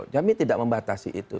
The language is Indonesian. kita tidak akan membatasi itu